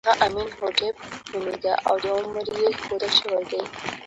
ژوند خوږې ترخې لري.